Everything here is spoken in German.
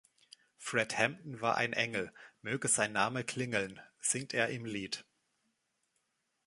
"Fred Hampton war ein Engel, möge sein Name klingeln" singt er im Lied.